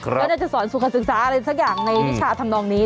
แล้วน่าจะสอนสุขศึกษาอะไรสักอย่างในวิชาทำนองนี้